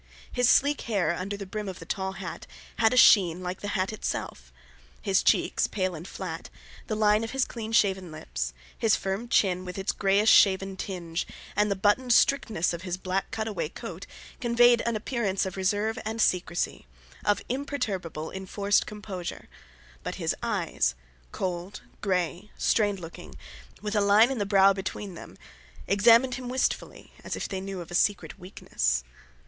His sleek hair under the brim of the tall hat had a sheen like the hat itself; his cheeks, pale and flat, the line of his clean shaven lips, his firm chin with its greyish shaven tinge, and the buttoned strictness of his black cut away coat, conveyed an appearance of reserve and secrecy, of imperturbable, enforced composure; but his eyes, cold,—grey, strained—looking, with a line in the brow between them, examined him wistfully, as if they knew of a secret weakness.